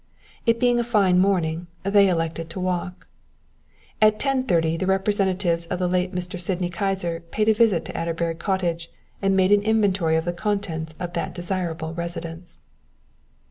It being a fine morning, they elected to walk. At ten thirty the representatives of the late Mr. Sydney Kyser paid a visit to Adderbury Cottage and made an inventory of the contents of that desirable residence.